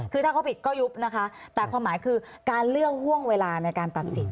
คือถ้าเขาผิดก็ยุบนะคะแต่ความหมายคือการเลือกห่วงเวลาในการตัดสิน